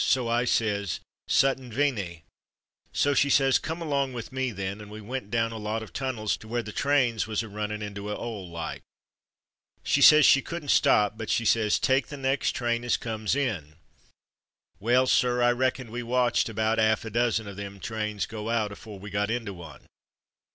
So I says, ' Sutton Veney '; so she says, ' Come along with me, then, ' and we went down a lot of tunnels to where the trains was a runnin' into a 'ole like. She says as she couldn't stop, but she says, 'Take the next train as comes in.' Well, sir, I reckon we watched about 'alf a dozen of them trains go out afore we got into one."